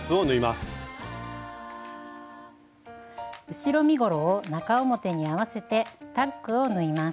後ろ身ごろを中表に合わせてタックを縫います。